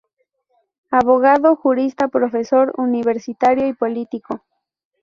Abogado, jurista, profesor universitario y político.